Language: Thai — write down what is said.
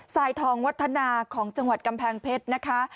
สายทองวัฒนาของจังหวัดกำแพงเพชรนะคะ